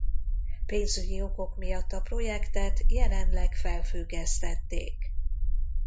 Pénzügyi okok miatt a projektet jelenleg felfüggesztették.